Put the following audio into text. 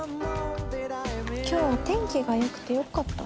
今日お天気がよくてよかった。